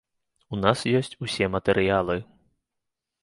У нас ёсць усе матэрыялы.